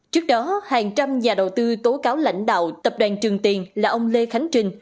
trước đó hàng trăm nhà đầu tư tố cáo lãnh đạo tập đoàn trường tiền là ông lê khánh trình